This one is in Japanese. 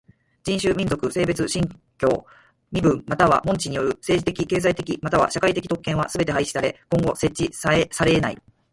人種、民族、性別、信教、身分または門地による政治的経済的または社会的特権はすべて廃止され今後設置されえない。